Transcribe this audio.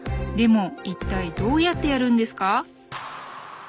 でも一体どうやってやるんですか？